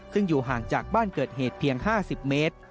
ซึ่งอยู่ห่างจากบ้านเกิดเหตุเพียง๕๐เมตร